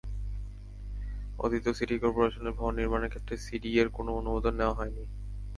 অতীতেও সিটি করপোরেশনের ভবন নির্মাণের ক্ষেত্রে সিডিএর কোনো অনুমোদন নেওয়া হয়নি।